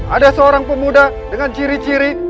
ada seorang pemuda dengan ciri ciri